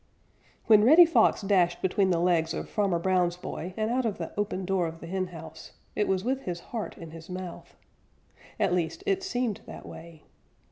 _ When Reddy Fox dashed between the legs of Farmer Brown's boy and out of the open door of the henhouse, it was with his heart in his mouth. At least, it seemed that way.